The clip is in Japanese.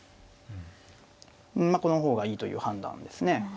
まあこの方がいいという判断ですね。